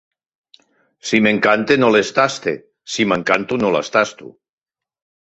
Si m'encante no les taste! Si m'encanto no les tasto!